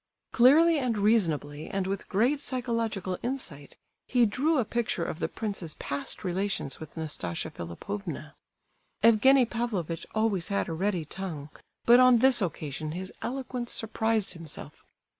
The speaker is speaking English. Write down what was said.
Clearly and reasonably, and with great psychological insight, he drew a picture of the prince's past relations with Nastasia Philipovna. Evgenie Pavlovitch always had a ready tongue, but on this occasion his eloquence, surprised himself.